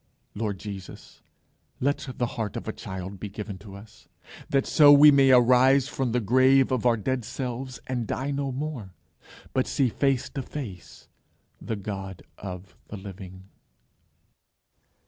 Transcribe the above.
Lord Jesus, let the heart of a child be given to us, that so we may arise from the grave of our dead selves and die no more, but see face to face the God of the Living.